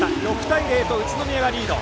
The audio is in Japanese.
６対０と宇都宮がリード。